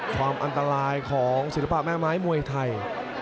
ความอันตรายของศิลปะแม่ไม้มวยไทย